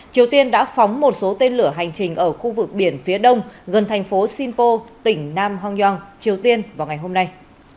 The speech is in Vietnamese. triều tiên đã phóng một số tên lửa hành trình ở khu vực biển phía đông gần thành phố sinpo tỉnh nam hongyong triều tiên vào ngày hôm nay